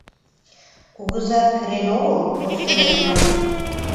— Кугызат кырен огыл? — воштылеш марий.